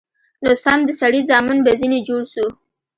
نو سم د سړي زامن به ځنې جوړ سو.